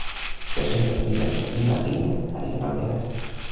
Per Sant Jordi na Beth i na Lia aniran al teatre.